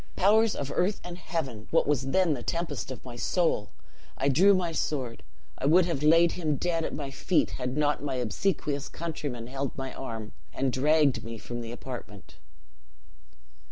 Powers of earth and heaven, what was then the tempest of my soul! I drew my sword I would have laid him dead at my feet, had not my obsequious countrymen held my arm, and dragged me from the apartment.